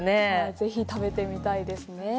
ぜひ食べてみたいですね。